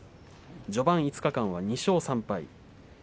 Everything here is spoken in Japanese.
序盤５日間２勝３敗。